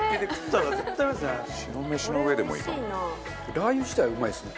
ラー油自体うまいですね。